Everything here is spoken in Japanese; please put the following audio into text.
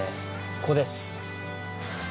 ここです。